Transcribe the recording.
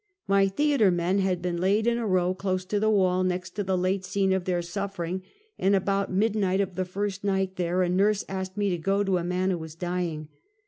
My thea ter men had been laid in a row close to the wall, next to the late scene of their suffering; and about mid night of the first night there, a nurse asked me to go to a man who was dying.